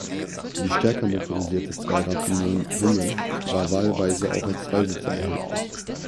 Die stärker motorisierte Zweirad-Union-"Hummel" war wahlweise auch als Zweisitzer erhältlich.